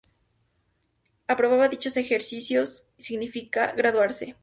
Aprobar dichos ejercicios significa graduarse.